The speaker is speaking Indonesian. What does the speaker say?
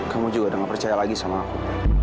kamu juga udah gak percaya lagi sama aku